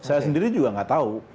saya sendiri juga nggak tahu